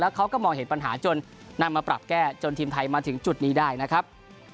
เขาก็มองเห็นปัญหาจนนำมาปรับแก้จนทีมไทยมาถึงจุดนี้ได้นะครับ